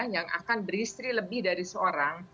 yang akan beristri lebih dari seorang